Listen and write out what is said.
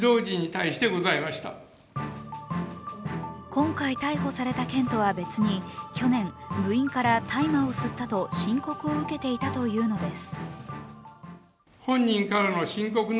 今回逮捕された件とは別に去年、部員から大麻を吸ったと申告を受けていたというのです。